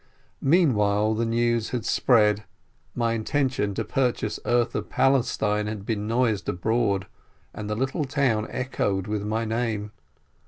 Meanwhile the news had spread, my intention to pur chase earth of Palestine had been noised abroad, and the little town echoed with my name.